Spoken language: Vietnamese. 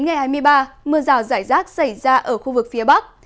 ngày hai mươi ba mưa rào rải rác xảy ra ở khu vực phía bắc